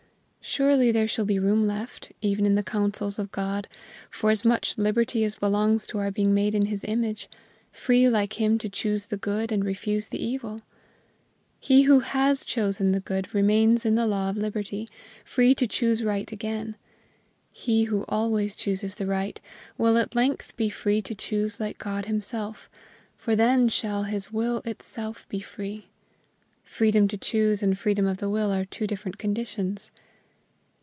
Surely there shall be room left, even in the counsels of God, for as much liberty as belongs to our being made in his image free like him to choose the good and refuse the evil! He who has chosen the good remains in the law of liberty, free to choose right again. He who always chooses the right, will at length be free to choose like God himself, for then shall his will itself be free. Freedom to choose and freedom of the will are two different conditions.